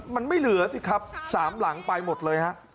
มันไม่เหลือสิครับ๓หลังไปหมดเลยฮะ